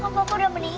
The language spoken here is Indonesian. kamu pegang cincin ini